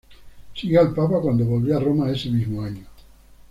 Siguió al papa cuando volvió a Roma ese mismo año.